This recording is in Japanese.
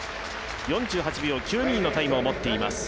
４８秒９２のタイムを持っています。